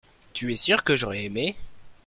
tu es sûr que j'aurais aimé.